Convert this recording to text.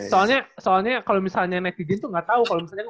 soalnya kalo misalnya netizen tuh gak tau kalo misalnya